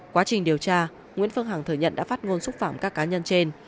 quá trình điều tra nguyễn phương hằng thừa nhận đã phát ngôn xúc phạm các cá nhân trên